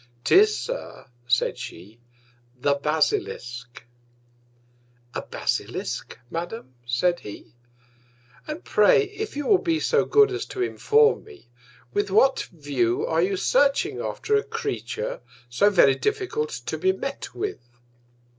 'Tis, Sir, said she, the Basilisk: A Basilisk, Madam, said he! And pray, if you will be so good as to inform me, with what View, are you searching after a Creature so very difficult to be met with?